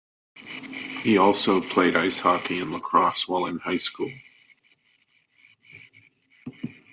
He also played ice hockey and lacrosse while in high school.